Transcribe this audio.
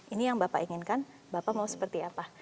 ini yang bapak inginkan bapak mau seperti apa